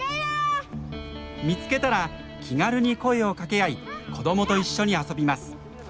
見つけたら気軽に声をかけ合い子どもと一緒に遊びます。